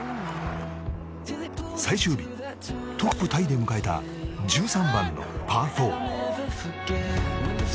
最終日、トップタイで迎えた１３番のパー４。